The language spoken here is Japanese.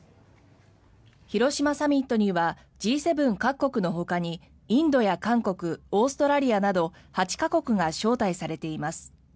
広島サミットにはＧ７各国のほかにインドや韓国オーストラリアなど８か国が招待されています。